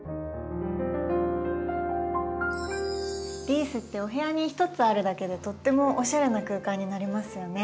リースってお部屋に一つあるだけでとってもおしゃれな空間になりますよね。